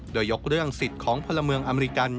โดยยกเรื่องสิทธิ์ของพลเมืองอเมริกัน